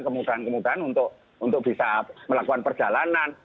kemudian kemudian untuk bisa melakukan perjalanan